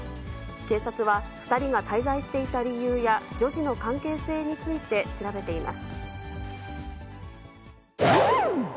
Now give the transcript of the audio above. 警察は、２人が滞在していた理由や女児の関係性について調べています。